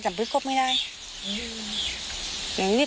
ที่บอกไปอีกเรื่อยเนี่ย